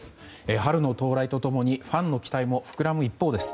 春の到来と共にファンの期待も膨らむ一方です。